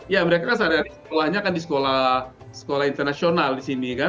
ya mereka kan sehari hari sekolahnya kan di sekolah sekolah internasional di sini kan